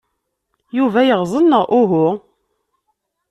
Yuba yeɣẓen, neɣ uhu?